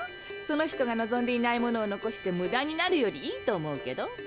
その人が望んでいないものを残してむだになるよりいいと思うけど。